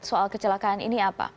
soal kecelakaan ini apa